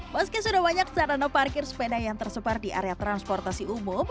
meski sudah banyak sarana parkir sepeda yang tersebar di area transportasi umum